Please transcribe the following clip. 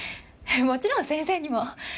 もちろん先生にも。